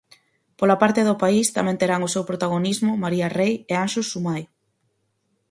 Pola parte do país tamén terán o seu protagonismo María Rei e Anxos Sumai.